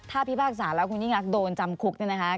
ถ้าพิพากษาแล้วคุณยิ่งรักโดนจำคุกเนี่ยนะคะ